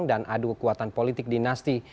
dan adu kekuatan politik dinasti